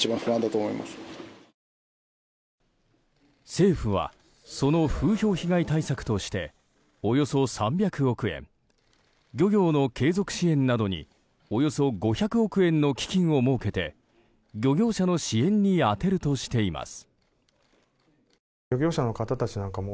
政府はその風評被害対策としておよそ３００億円漁業の継続支援などにおよそ５００億円の基金を設けて、漁業者の支援に充てるとしています。